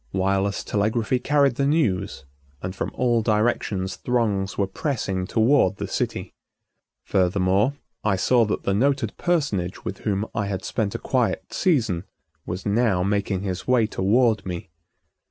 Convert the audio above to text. Wireless telegraphy carried the news, and from all directions throngs were pressing toward the city. Furthermore I saw that the noted personage with whom I had spent a quiet season was now making his way toward me.